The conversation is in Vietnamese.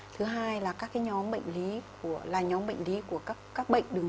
thứ hai là các cái nhóm bệnh lý của các bệnh đường